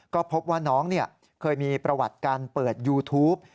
ก็พบว่าน้องเคยมีประวัติการเปิดยูทูป